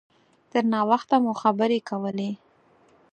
تر ناوخته مو خبرې کولې.